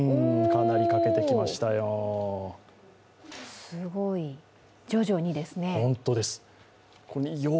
かなり欠けてきましたよ。